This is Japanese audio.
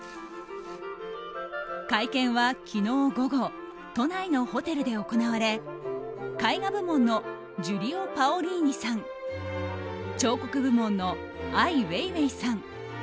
会見は昨日午後都内のホテルで行われ絵画部門のジュリオ・パオリーニさん彫刻部門のアイ・ウェイウェイさん